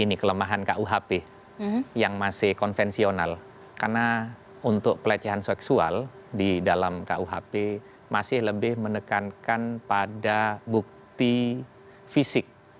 ini kelemahan kuhp yang masih konvensional karena untuk pelecehan seksual di dalam kuhp masih lebih menekankan pada bukti fisik